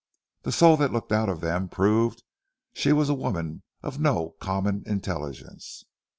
The soul that looked out of them proved she was a woman of no common intelligence.